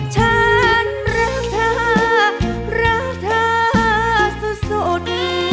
ฉันรักเธอรักเธอสุด